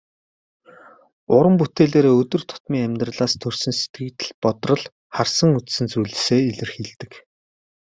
Уран бүтээлээрээ өдөр тутмын амьдралаас төрсөн сэтгэгдэл, бодрол, харсан үзсэн зүйлсээ илэрхийлдэг.